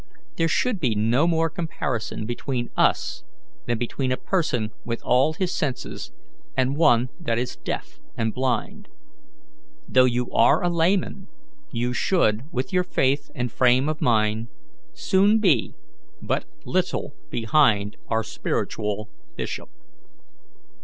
There should be no more comparison between us than between a person with all his senses and one that is deaf and blind. Though you are a layman, you should, with your faith and frame of mind, soon be but little behind our spiritual bishop."